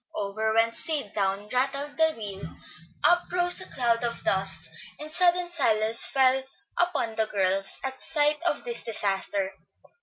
Over went Sid, down rattled the wheel, up rose a cloud of dust, and sudden silence fell upon the girls at sight of this disaster.